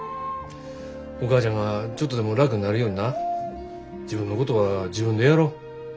お母ちゃんがちょっとでも楽になるようにな自分のことは自分でやろ。